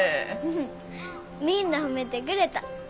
みんな褒めてくれた。